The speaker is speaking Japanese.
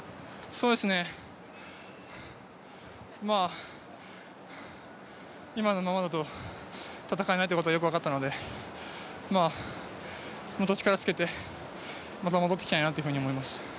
そうですね、今のままだと戦えないということはよく分かったのでもっと力つけてまた戻ってきたいなというふうに思います。